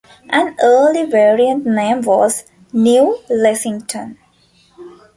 An early variant name was New Lexington.